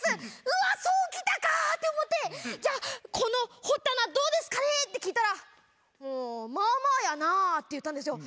うわそうきたかって思って「じゃあこの掘った穴どうですかね？」って聞いたらって言ったんですよ。